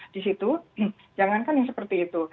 di situ jangankan yang seperti itu